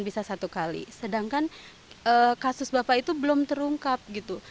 bisa satu kali sedangkan kasus bapak itu belum terungkap gitu